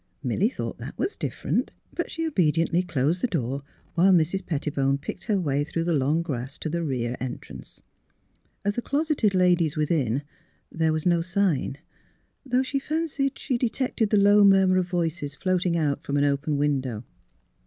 Milly thought that was '' different." But she obediently closed the door while Mrs. Pettibone picked her way through the long grass to the rear entrance. Of the closeted ladies within there NOT AT HOME TO VISITORS 145 v/as no sign, though she fancied she detected the low murmur of voices floating out from an open window.